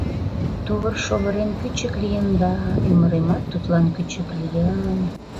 Тувыр-шовырем кӱчык лийын да, ӱмыремат тудлан кӱчык лийын.